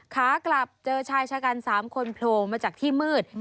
ขากลับเจอชายชะกัน๓คนโผล่มาจากที่มืด